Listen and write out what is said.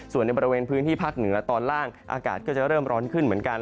ส่วนในบริเวณพื้นที่ภาคเหนือตอนล่างอากาศก็จะเริ่มร้อนขึ้นเหมือนกัน